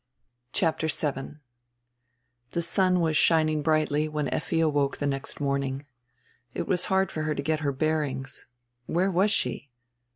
CHAPTER VII THE sun was shining brightly when Effi awoke the next morning. It was hard for her to get her bearings. Where was she?